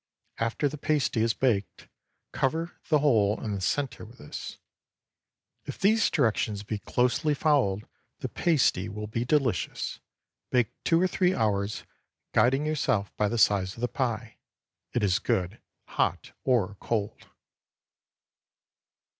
After the pasty is baked, cover the hole in the centre with this. If these directions be closely followed the pasty will be delicious. Bake two or three hours, guiding yourself by the size of the pie. It is good hot or cold.